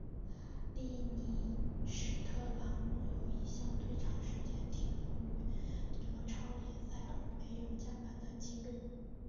利尼史特朗拥有一项最长时间停留于挪超联赛而没有降班的纪录。